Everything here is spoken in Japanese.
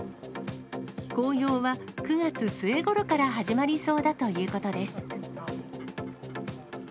紅葉は９月末ごろから始まりそうだということです。